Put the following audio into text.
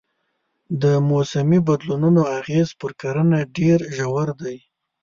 د موسمي بدلونونو اغېز پر کرنه ډېر ژور دی.